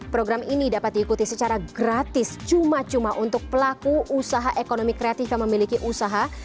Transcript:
program ini dapat diikuti secara gratis cuma cuma untuk pelaku usaha ekonomi kreatif yang memiliki usaha